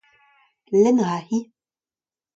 lenn a ra-hi.